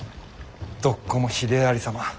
どっこもひでえありさま。